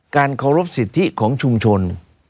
เคารพสิทธิของชุมชน